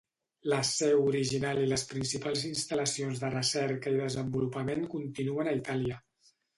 La seu original i les principals instal·lacions de recerca i desenvolupament continuen a Itàlia.